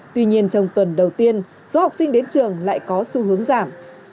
tuy nhiên trong tuần đầu tiên số học sinh đến trường lại có xu hướng giảm